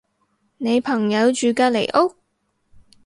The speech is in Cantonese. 你朋友住隔離屋？